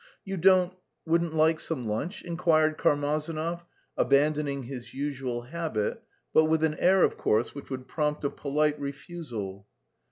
"You don't... wouldn't like some lunch?" inquired Karmazinov, abandoning his usual habit but with an air, of course, which would prompt a polite refusal.